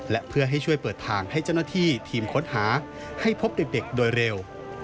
และเพื่อให้ช่วยเปิดทางให้เจ้าหน้าที่ทีมค้นหาให้พบเด็กโดยเร็ว